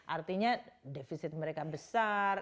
artinya defisit mereka besar